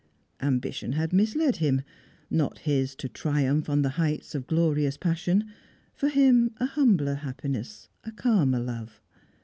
Ambition had misled him; not his to triumph on the heights of glorious passion; for him a humbler happiness a calmer love.